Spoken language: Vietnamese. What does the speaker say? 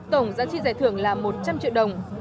tổng giá trị giải thưởng là một trăm linh triệu đồng